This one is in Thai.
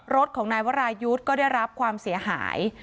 รถของนายวรายุทธ์ก็ได้รับความเสียหาย